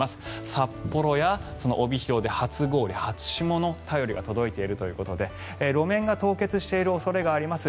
札幌や帯広で初氷、初霜の便りが届いているということで路面が凍結している恐れがあります。